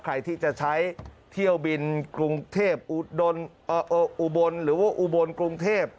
ใครที่จะใช้เที่ยวบินกรุงเทพอุบลหรือว่าอุบลกรุงเทพ